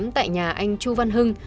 tại nhà anh chu văn hưng